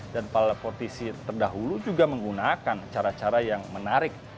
para politisi terdahulu juga menggunakan cara cara yang menarik